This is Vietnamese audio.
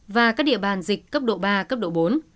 và các địa bàn dịch cấp độ ba cấp độ bốn